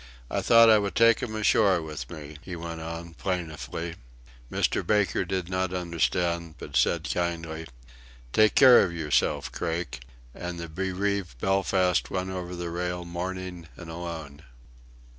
"I thought I would take 'im ashore with me," he went on, plaintively. Mr. Baker did not understand, but said kindly: "Take care of yourself, Craik," and the bereaved Belfast went over the rail mourning and alone.